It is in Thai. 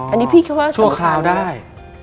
อันนี้พี่แค่ว่าชั่วคราวได้